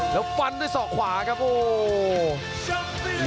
แล้วฟันด้วยศอกขวาครับโอ้โห